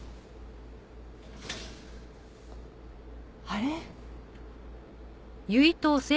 あれ？